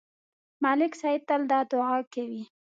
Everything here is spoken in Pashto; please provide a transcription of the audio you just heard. ملک صاحب تل دا دعا کوي.